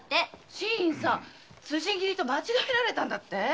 新さん辻斬りと間違えられたんだって？